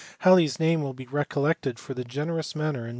Halley s name will be recollected for the generous manner in.